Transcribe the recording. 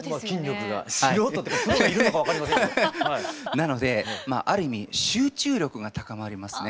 なのである意味集中力が高まりますね。